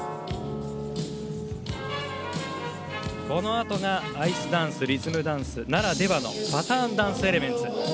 このあとが、アイスダンスリズムダンスならではのパターンダンスエレメンツ。